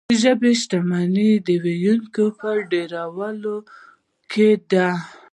د ژبې شتمني د ویونکو په ډیروالي کې ده.